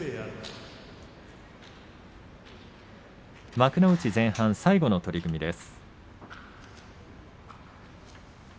幕内前半最後の取組です。